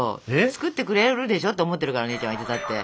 作ってくれるでしょって思ってるからお姉ちゃんはいつだって。